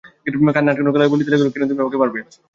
কান্না আটকানো গলায় বলিতে লাগিল-কেন তুমি আমাকে মারবে?